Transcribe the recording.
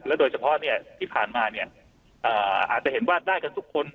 โดยเฉพาะที่ผ่านมาเนี่ยอาจจะเห็นว่าได้กันทุกคน